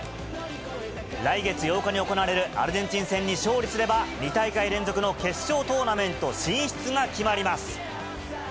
来月８日に行われるアルゼンチン戦に勝利すれば、２大会連続の決勝トーナメント進出が決まります。